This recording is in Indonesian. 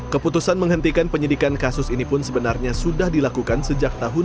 keputusan menghentikan penyidikan kasus ini pun sebenarnya sudah dilakukan sejak tahun dua ribu